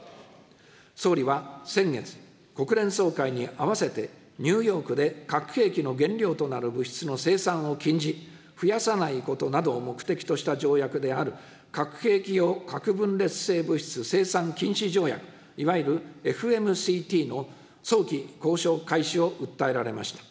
総理は先月、国連総会にあわせて、ニューヨークで核兵器の原料となる物質の生産を禁じ、増やさないことなどを目的とした条約である核兵器用核分裂性物質生産禁止条約、いわゆるＦＭＣＴの早期交渉開始を訴えられました。